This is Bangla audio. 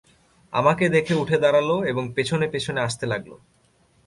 আমাকে দেখে উঠে দাঁড়াল এবং পিছনে-পিছনে আসতে লাগল।